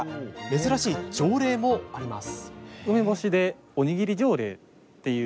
珍しい条例もあります。